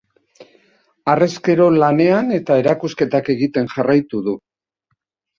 Harrezkero lanean eta erakusketak egiten jarraitu du.